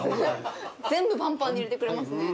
全部ぱんぱんに入れてくれますね。